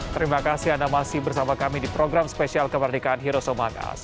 terima kasih anda masih bersama kami di program spesial kemerdekaan hirosomangkas